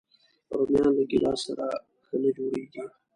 رومیان له ګیلاس سره ښه نه جوړيږي